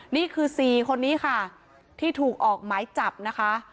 นี่คือ๔คนนี้ค่ะที่ถูกออกหมายจับนะคะ